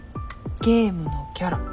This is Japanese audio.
ゲームのキャラ。